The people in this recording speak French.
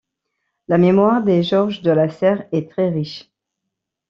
La mémoire des gorges de la Cère est très riche.